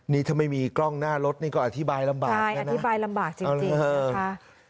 นี่ถ้าไม่มีกล้องหน้ารถก็อธิบายลำบากจริงนะคะ